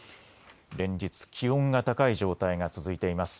連日、気温が高い状態が続いています。